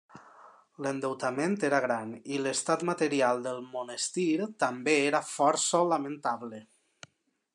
L'endeutament era gran i l'estat material del monestir també era força lamentable.